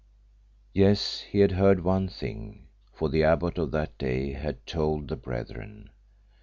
Yes, he had heard one thing, for the abbot of that day had told the brethren.